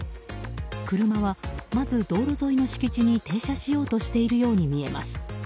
車はまず、道路沿いの敷地に停車しようとしているように見えます。